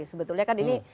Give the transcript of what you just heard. sebetulnya kan ini